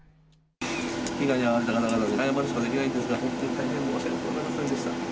被害に遭われた方々に謝ることしかできないんですが、本当に申し訳ございませんでした。